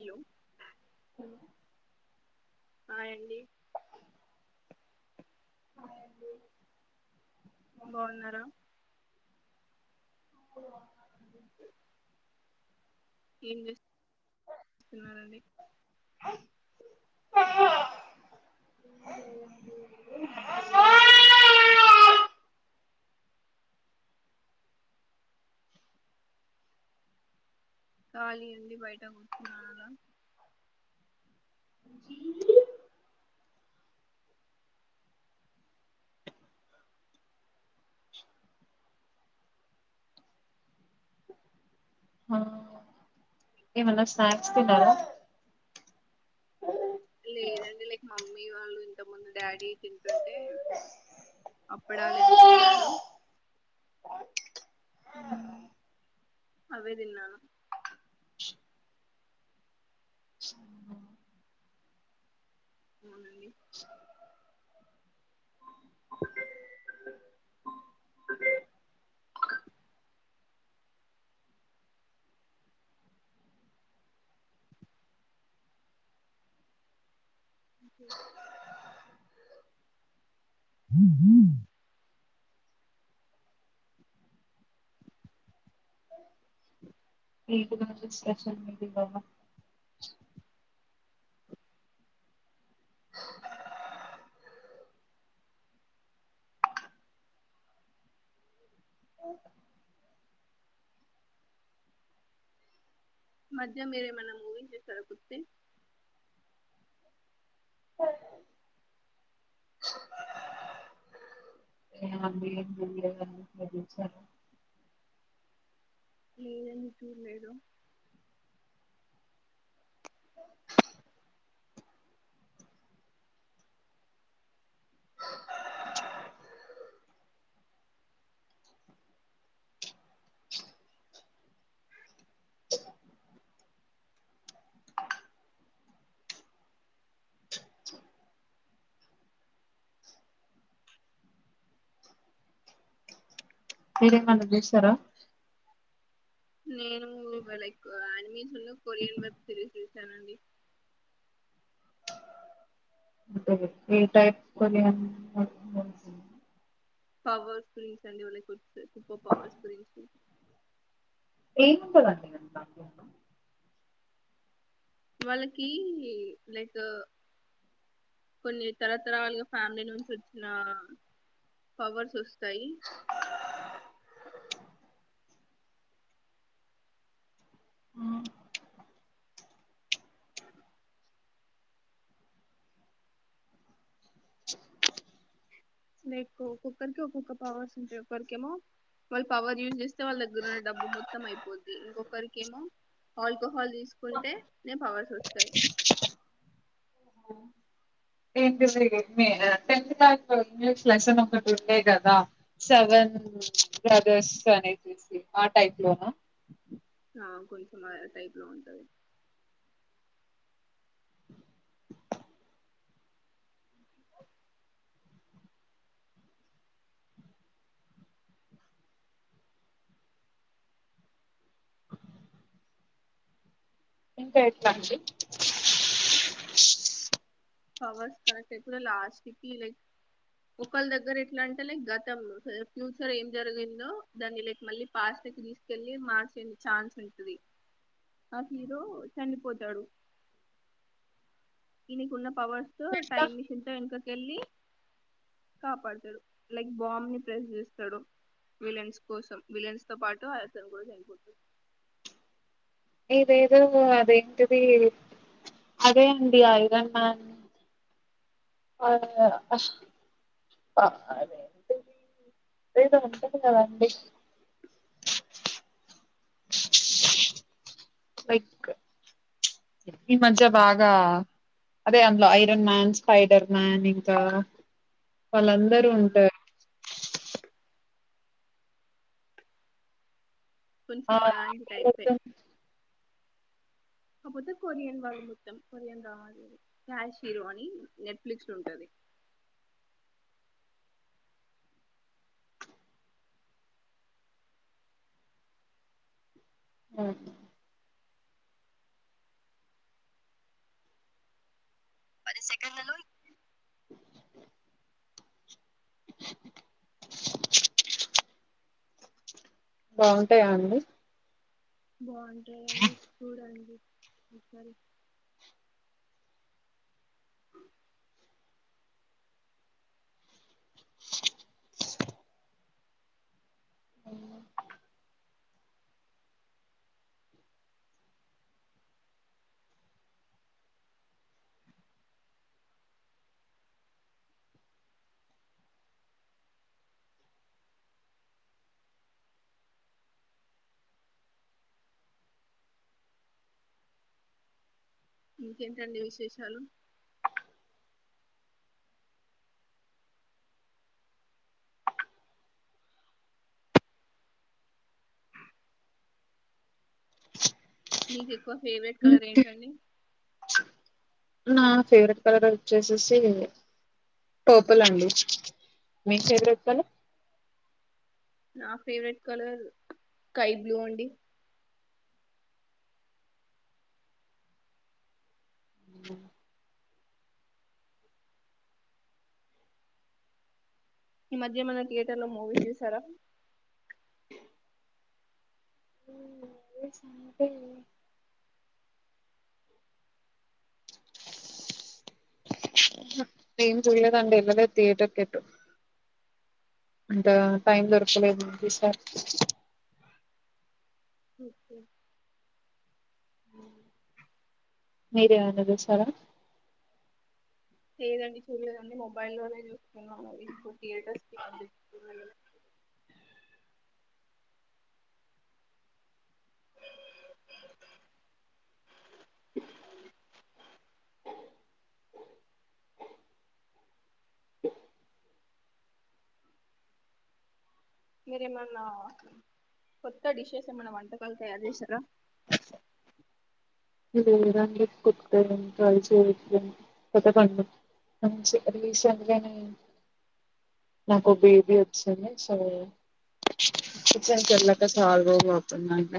Hello hello hi అండి బాగున్నారా ఆ ఏం చేస్తున్నారండి ఏం ఖాళీ అండి బయట కూర్చున్నానలా ఏవన్న స్నాక్స్ తిన్నారా లేదండి లైక్ మమ్మీ వాళ్ళు ఇంతముందు డాడీ తింటుంటే అప్పడా లేం పారు అవే తిన్నాను అవునండి హూ హ హు మీకు నాకు స్పెషల్ [unintelligible] మధ్య మీరేమైనా మూవీ చూసారా కుస్తీ [unintelligible] ఏమి చూడలేదా మీరేమైనా చూసారా నేను ఇ లైక్ [unintelligible] కొరియన్ వెబ్ సిరీస్ చూశానండి ఏ టైప్ కొరియన్ పవర్ ఫిలిమ్స్ అండి లైక్ సూపర్ పవర్ ఫిలిమ్స్ ఏముంటదండి వాళ్ళకి లైక్ కొన్ని తరతరాలుగా ఫ్యామిలీ నుంచి వచ్చిన పవర్స్ వస్తాయి లైక్ ఒక్కొక్కరికి ఒక్కొక్క పవర్స్ ఉంటాయి ఒక్కరికేమో వాళ్ళు పవర్ యూజ్ చేస్తే వాళ్ళ దగ్గర ఉన్న డబ్బు మొత్తం అయిపోద్ది ఇంకొకరికేమో ఆల్కోహాల్ తీసుకుంటే నే పవర్స్ వస్తాయి ఏంటిది టెన్త్ క్లాస్ ఇంగ్లీష్ లెసన్ ఒకటి ఉండే కదా సెవెన్ బ్రదర్స్ అనేసేసి ఆ టైప్ లోన ఆ కొంచెం అదే టైప్ లో ఉంటది ఇంకా ఎట్లా అండి పవర్స్ కనెక్ట్ అయితే లాస్టీకి ఒకళ్ళ దగ్గర ఎట్లా అంటే లైక్ గతం ఫ్యూచర్ ఏం జరిగిందో దాన్ని లైక్ మళ్ళీ పాస్ట్ కి తీసి కెళ్ళి మార్చని ఛాన్స్ ఉంటుది ఆ హీరో చనిపోతాడు ఈయనకున్న పవర్స్ తో టైమ్ మిషన్ తో వెనకకెళ్ళి కాపాడుతాడు లైక్ బాంబ్ ని ప్రెస్ చేస్తాడు విలన్స్ కోసం విలన్స్ తో పాటు అతను కూడా చనిపోతాడు ఇదేదో అదేంటిది అదే అండి ఐరన్ మ్యాన్ అదే అస్ అదే ఏదో ఉంటది కదా అండి లైక్ ఈ మధ్య బాగా అదే అందులో ఐరన్ మ్యాన్ స్పైడర్ మ్యాన్ ఇంకా వాళ్ళందరూ ఉంటారు కొంచెం అలాంటి టైపే కాకపోతే కొరియన్ వాళ్ళు మొత్తం కొరియన్ రావాలి క్యాష్ హీరో అని నెట్ఫ్లిక్స్ లో ఉంటది హ్మ్ పది సెకండ్లలో బాగుంటాయా అండి బాగుంటాయండి చూడండి ఒకసారి ఇంకేంటండి విశేషాలు మీకు ఎక్కువ ఫేవరెట్ కలర్ ఏంటండి నా ఫేవరెట్ కలర్ వచ్చేసేసి పపుల్ అండి మీ ఫేవరెట్ కలర్ నా ఫేవరెట్ కలర్ స్కై బ్లూ అండి ఈ మధ్య ఏమైనా థియేటర్ లో మూవీస్ చూసారా మూవీస్ అంటే ఏం చూడలేదండి ఎళ్ళలేదు థియేటర్కి ఎటు అంత టైం దొరకలేదు నాకు ఈ సారి ఓకే మీరు ఏమన చూశారా లేదండి చూడలేదండి మొబైల్ లోనే చూస్తున్నాం ఇపుడు థియేటర్స్ మీరేమన్నా కొత్త డిషెస్ ఏమైన్నా వంటకాలు తయారు చేసిరా లేదండి కొత్తవేం ట్రై రీసెంట్ గాని నాకు బేబీ వచ్చింది సో కిచెన్ కి వెళ్ళక ఓకే. చాలా రోజులు అవుతుందండి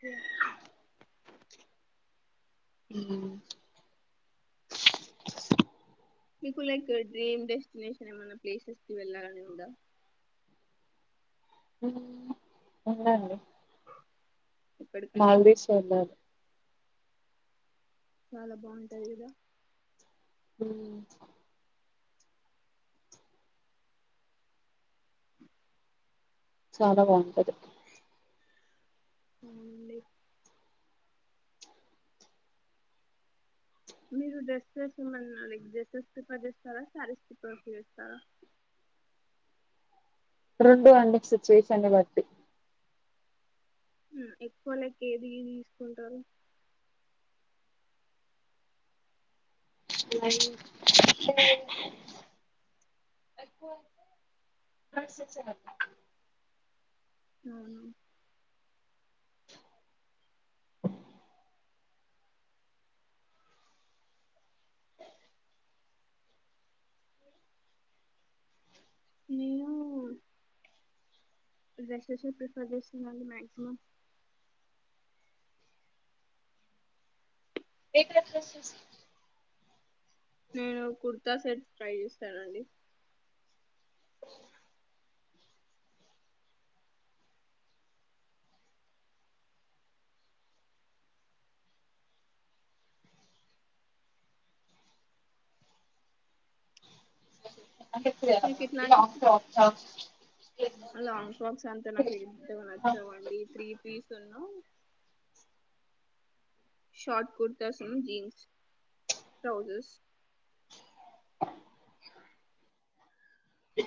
కే ఊ మీకు లైక్ డ్రీమ్ డెస్టినేషన్ ఏమనా ప్లేసెస్ కి వెళ్ళాలని ఉందా ఉందండి ఎక్కడికండి మాల్దీవ్స్ వెళ్ళాలి చాలా బాగుంటాది కదా ఊ చాలా బాగుంటది ఉ మీరు డ్రెస్ వేసుకున్న వాళ్ళని లైక్ చేస్తారా ప్రిఫర్ చేస్తారా శారీస్ వేసుకున్న వాళ్లని ప్రిఫర్ చేస్తారా రెండు అండి సిచువేషన్ని బట్టి ఎక్కువ లైక్ ఏది తీసుకుంటారు లై ఎక్కువ డ్రెస్సెసే అవును నేను డ్రెస్సెసే ప్రిఫర్ చేస్తుందండి మాక్సిమమ్ ఏ కలర్ డ్రెస్సెస్ నేను కుర్తా సెట్ ట్రై చేస్తానండి నాకు తెలుసులే మీకు ఇట్లా off to of chance long frocks అంతా నాకు అంతగా నచ్చవండి త్రీ పీస్ ఉన్న షార్ట్ కుర్తాస్ జీన్స్ ట్రాౌజర్స్ హ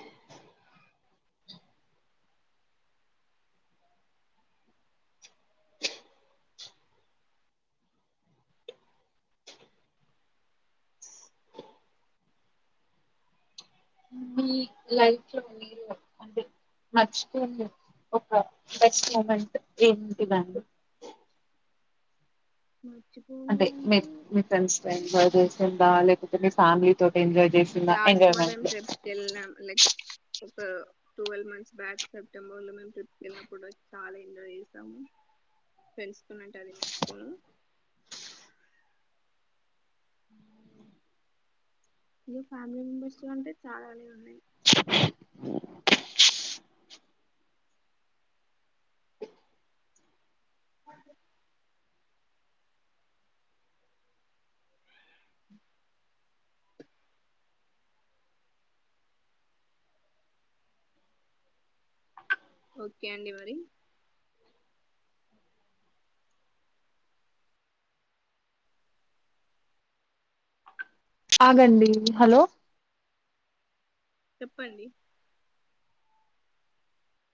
లైఫ్ లో మీరు అంటే మర్చిపోనిది ఒక బెస్ట్ మూమెంట్ ఏంటిదండి మర్చిపోనీ అంటే ఫ్రెండ్స్ ఎంజాయ్ చేసిందా లేకపోతే ఫ్యామిలీ తోటి ఎంజాయ్ చేసిందా ఎంజాయ్మెంట్లో వెళ్దాం లే ఒక ట్వెల్వ్ మంత్స్ బ్యాక్ సెప్టెంబర్లో మేము ట్రిప్కు వెళ్ళినప్పుడు చాలా ఎంజాయ్ చేసాము వేసుకున్నానంటే అది మర్చిపోను ఇ ఫ్యామిలీ మెంబర్స్ అంటే చాలానే ఉన్నాయి ఓకే అ ఓకే అండి మరి ఆగండి హలో చెప్పండి